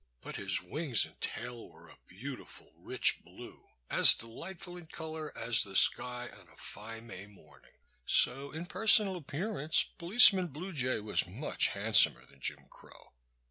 But his wings and tail were a beautiful rich blue, as delightful in color as the sky on a fine May morning; so in personal appearance Policeman Blue Jay was much handsomer than Jim Crow.